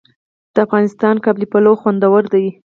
د افغانستان قابلي پلاو خوندور دی